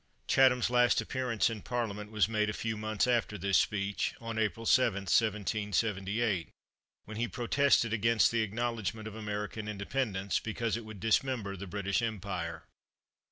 Chatham's last appearance in Parliament was made a few months after this speech— on April 7, 1778, when he protested against the acknowledgment of American indepen dence, because it would dismember the British Empire.